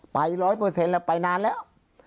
ไปร้อยเปอร์เซ็นต์แล้วไปนานแล้ว